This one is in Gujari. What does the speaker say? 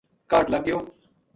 کاہڈ لگ گیو